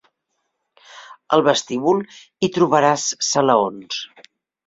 Al vestíbul hi trobaràs salaons.